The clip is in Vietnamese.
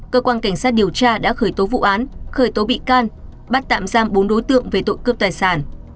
cơ quan cảnh sát điều tra đã khởi tố vụ án khởi tố bị can bắt tạm giam bốn đối tượng về tội cướp tài sản